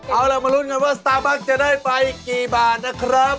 เอาแล้วมารวมกันว่าสตาร์ทบัคจะได้ไปกี่บาทลงครับ